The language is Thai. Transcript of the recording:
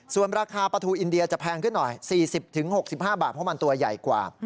ส่วนราคาปลาทูอินเดียจะแพงขึ้นหน่อย๔๐๖๕บาทเพราะมันตัวใหญ่กว่า